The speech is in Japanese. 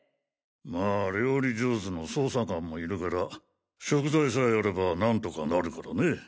まあ料理上手の捜査官もいるから食材さえあれば何とかなるからね。